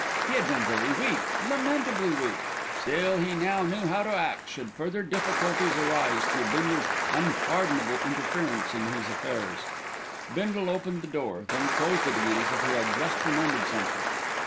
He had been very weak, lamentably weak. Still he now knew how to act should further difficulties arise through Bindle's unpardonable interference in his affairs. Bindle opened the door, then closed it again, as if he had just remembered something.